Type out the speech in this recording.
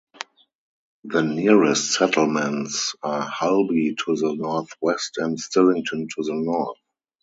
The nearest settlements are Huby to the north west and Stillington to the north.